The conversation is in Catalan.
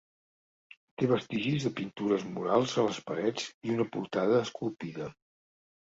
Té vestigis de pintures murals a les parets i una portalada esculpida.